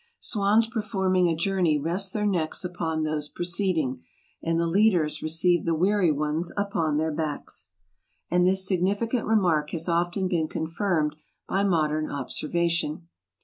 "Swans performing a journey rest their necks upon those preceding; and the leaders receive the weary ones upon their backs." And this significant remark has often been confirmed by modern observation.